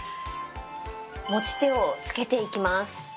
持ち手を付けていきます。